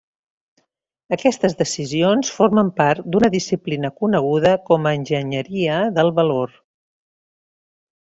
Aquestes decisions formen part d'una disciplina coneguda com a enginyeria del valor.